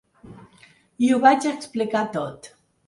I ho vaig explicar tot.